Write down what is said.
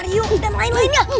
simpul simpli buah itu